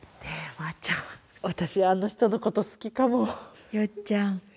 マーちゃん私あの人のこと好きかもヨッちゃん